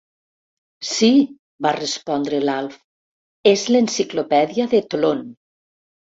Sí —va respondre l'Alf—, és l'enciclopèdia de Tlön.